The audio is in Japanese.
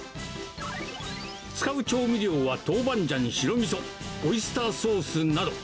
使う調味料は豆板醤、白みそ、オイスターソースなど。